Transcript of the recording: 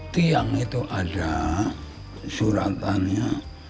tiang itu ada suratannya seribu dua ratus delapan puluh delapan